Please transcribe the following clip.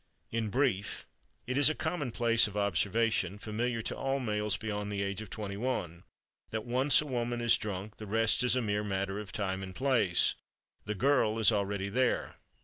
In brief, it is a commonplace of observation, familiar to all males beyond the age of twenty one, that once a woman is drunk the rest is a mere matter of time and place: the girl is already there.